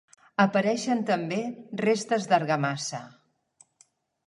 Apareixen també restes d'argamassa.